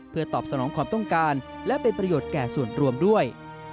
เพื่อตอบสนองความต้องการและเป็นประโยชน์แก่ส่วนรวมด้วย